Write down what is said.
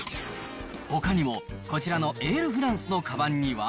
ほかにも、こちらのエールフランスのかばんには。